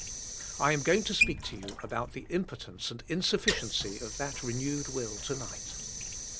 I am going to speak to you about the impotence and in sufficiency of that renewed will to night.